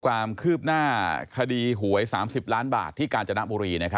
ความคืบหน้าคดีหวย๓๐ล้านบาทที่กาญจนบุรี